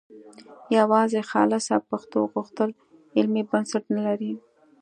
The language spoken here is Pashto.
یوازې خالصه پښتو غوښتل علمي بنسټ نه لري